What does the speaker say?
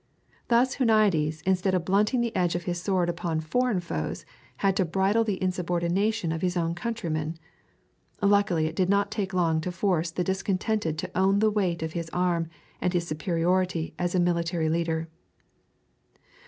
Thus Huniades, instead of blunting the edge of his sword upon foreign foes, had to bridle the insubordination of his own countrymen. Luckily it did not take long to force the discontented to own the weight of his arm and his superiority as a military leader.